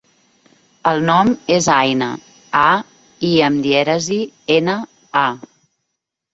El nom és Aïna: a, i amb dièresi, ena, a.